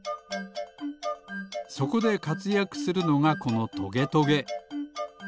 そこでかつやくするのがこのトゲトゲ。